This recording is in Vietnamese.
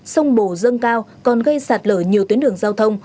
sông bồ dâng cao còn gây sạt lở nhiều tuyến đường giao thông